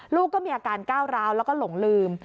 ลูกก็มีอาการก้าวร้าวแล้วก็หลงลืม